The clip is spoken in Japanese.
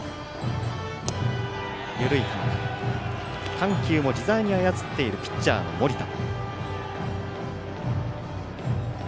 緩急も自在に操っているピッチャーの盛田。